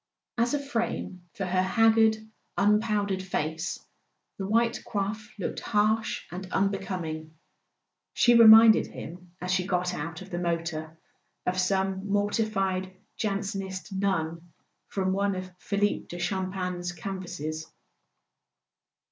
As a frame for her hag¬ gard unpowdered face the white coif looked harsh and unbecoming; she reminded him, as she got out of the motor, of some mortified Jansenist nun from one of Philippe de Champaigne's canvases.